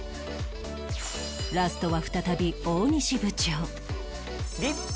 ラストは再び大西部長